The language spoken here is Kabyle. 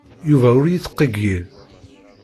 Yuba ur yettqeyyil.